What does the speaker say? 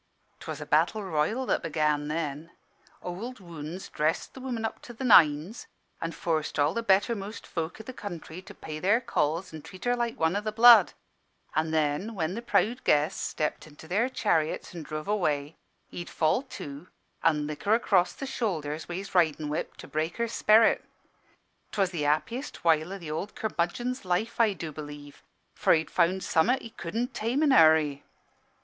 "'Twas a battle royal that began then. Ould Wounds dressed the woman up to the nines, an' forced all the bettermost folk i' the county to pay their calls an' treat her like one o' the blood; and then, when the proud guests stepped into their chariots an' druv away, he'd fall to, an' lick her across the shoulders wi' his ridin' whip, to break her sperrit. 'Twas the happiest while o' th' ould curmudgeon's life, I do b'lieve; for he'd found summat he cudn' tame in a hurry.